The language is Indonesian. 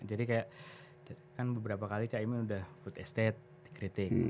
jadi kayak kan beberapa kali cahimin udah food estate dikritik